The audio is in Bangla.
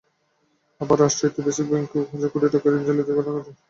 আবার রাষ্ট্রায়ত্ত বেসিক ব্যাংকেও হাজার কোটি টাকার ঋণ জালিয়াতির ঘটনা চিহ্নিত হয়।